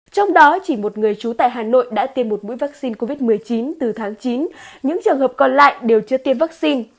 trong đó chỉ một người trú tại hà nội đã tiêm một mũi vaccine covid một mươi chín từ tháng chín những trường hợp còn lại đều chưa tiêm vaccine